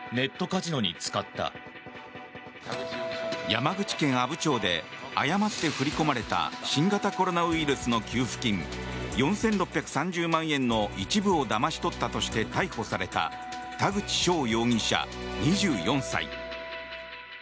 山口県阿武町で誤って振り込まれた新型コロナウイルスの給付金４６３０万円の一部をだまし取ったとして逮捕された田口翔容疑者、２４歳。